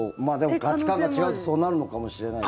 価値観が違うとそうなるのかもしれない。